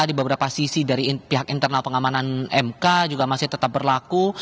di beberapa sisi dari pihak internal pengamanan mk juga masih tetap berlaku